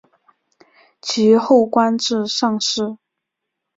其后官至上士。